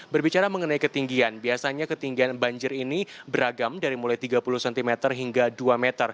berbicara mengenai ketinggian biasanya ketinggian banjir ini beragam dari mulai tiga puluh cm hingga dua meter